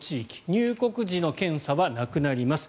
入国時の検査はなくなります。